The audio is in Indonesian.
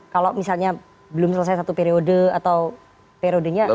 kalau misalnya belum selesai satu periode atau periodenya